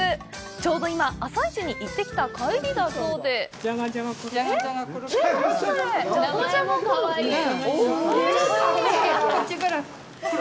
ちょうど今、朝市に行ってきた帰りだそうでえっ、何それ！